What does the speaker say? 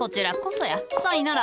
さいなら！